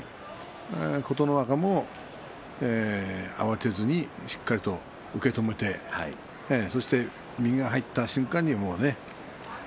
琴ノ若も慌てずにしっかりと受け止めて右が入った瞬間に出ましたね。